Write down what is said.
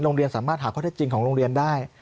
โรงเรียนสามารถหาข้อเทศจริงของโรงเรียนได้